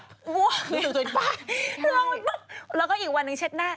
บวมแล้วก็อีกวันนึงเช็ดหน้า